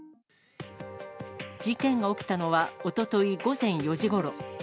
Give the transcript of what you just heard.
事件が起きたのはおととい午前４時ごろ。